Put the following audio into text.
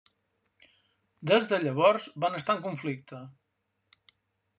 Des de llavors van estar en conflicte.